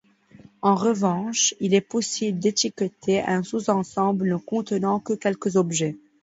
En revanche, il est possible d'étiqueter un sous-ensemble ne contenant que quelques objets.